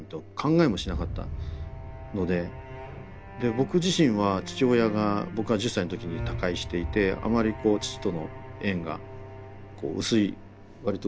僕自身は父親が僕が１０歳の時に他界していてあまりこう父との縁が薄い割と